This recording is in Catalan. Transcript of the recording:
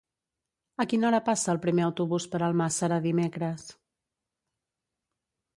A quina hora passa el primer autobús per Almàssera dimecres?